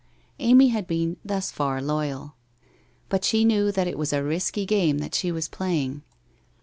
Amy had been thus far loyal. But she knew that it was a risky game that she was playing.